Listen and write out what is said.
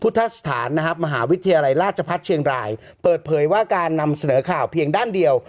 สถานนะครับมหาวิทยาลัยราชพัฒน์เชียงรายเปิดเผยว่าการนำเสนอข่าวเพียงด้านเดียว